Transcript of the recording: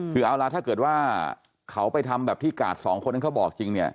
คือเอาล่ะถ้าเกิดว่าเขาไปทำแบบที่กาดสองคนนั้นเขาบอกจริงเนี่ย